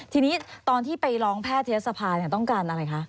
ทีนี้ตอนที่ไปร้องแพทยศภาต้องการอะไรคะ